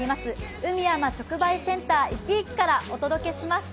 海・山直売センターいきいきからお届けします。